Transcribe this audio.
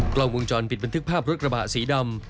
กล้องวงจรปิดบันทึกภาพรถกระบะสีดำ